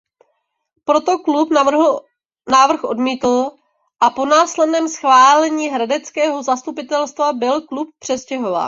Proto klub návrh odmítl a po následném schválení hradeckého zastupitelstva byl klub přestěhován.